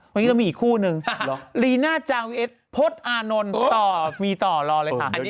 วันนี้จะมีอีกคู่นึงรีน่าจาวิเอสพลดอานนท์มีต่อรอเลยค่ะ